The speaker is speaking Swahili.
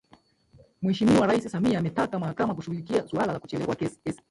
Mheshimiwa Rais Samia ameitaka Mahakama kushughulikia suala la ucheleweshwaji wa kesi